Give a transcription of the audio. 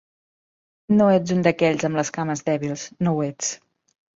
No ets un d'aquells amb les cames dèbils, no ho ets.